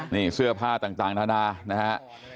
นี่เสื้อผ้าต่างนานานะฮะ